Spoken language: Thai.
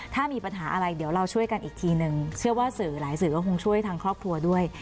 ถ้ามีปัญหาอะไรเดี๋ยวเราช่วยกันอีกทีนึงเชื่อว่าสื่อหลายสื่อก็คงช่วยทางครอบครัวด้วย